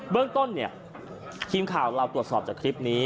เรื่องต้นเนี่ยทีมข่าวเราตรวจสอบจากคลิปนี้